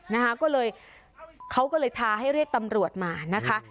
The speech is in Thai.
นะคะก็เลยเขาก็เลยทาให้เรียกตำรวจมานะคะ